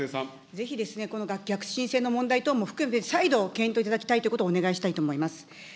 ぜひこの逆進性の問題等も含めて、再度、検討いただきたいということをお願いしたいと思います。